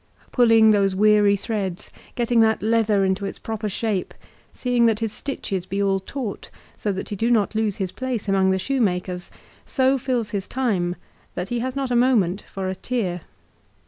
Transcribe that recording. Pulling those weary threads, getting that leather into its proper shape, seeing that his stitches be all taut so that he do not lose his place among the shoemakers, so fills his time that he has not a moment for a tear.